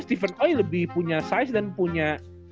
steven oy lebih punya size dan punya